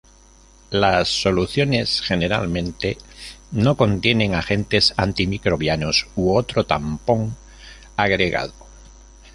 Las soluciones generalmente no contienen agentes antimicrobianos u otro tampón agregado.